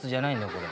これ。